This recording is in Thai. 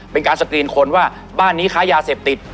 เป็นการสกรีนคนว่าบ้านนี้ค้ายาเสพติด